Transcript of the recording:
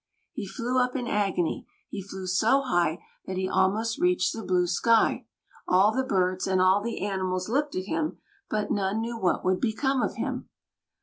He flew up in agony; he flew so high that he almost reached the blue sky. All the birds, and all the animals, looked at him, but none knew what would become of him.